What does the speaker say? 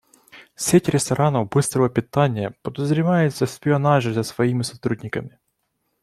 Сеть ресторанов быстрого питания подозревается в шпионаже за своими сотрудниками.